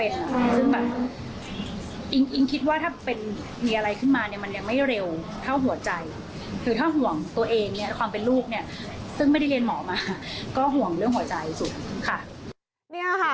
ซึ่งไม่ได้เรียนหมอมาก็ห่วงเรื่องหัวใจสุดค่ะ